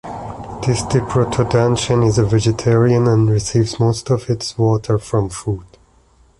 This diprotodontian is a vegetarian and receives most of its water from food.